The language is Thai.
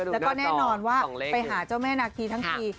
แล้วก็แน่นอนว่าไปหาเจ้าแม่นาคีทั้งที